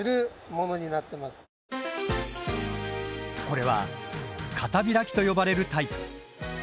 これは片開きと呼ばれるタイプ。